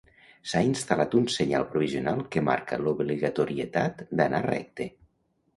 S'ha instal·lat un senyal provisional que marca l'obligatorietat d'anar recte.